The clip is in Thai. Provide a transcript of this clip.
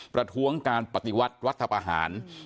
ประท้วงการปฏิวัติรัฐประหาร